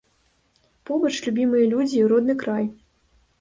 Побач любімыя людзі, родны край.